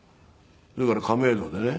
だから亀戸でね